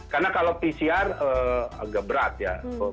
karena kalau pcr agak berat ya